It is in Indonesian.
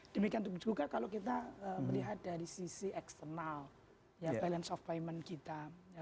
demikian juga kalau kita melihat dari sisi eksternal balance of payment kita